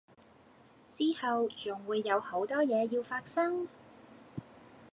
之後仲會有好多嘢要發生